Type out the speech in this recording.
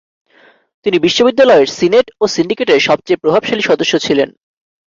তিনি বিশ্ববিদ্যালয়ের সিনেট ও সিন্ডিকেটের সবচেয়ে প্রভাবশালী সদস্য ছিলেন।